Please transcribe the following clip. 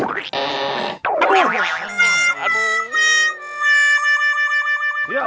ini hanungan liarannya